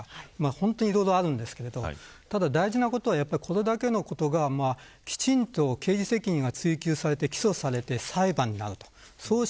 本当にいろいろあるんですけど大事なことは、これだけのことがきちんと刑事責任が追及されて起訴されて裁判になると。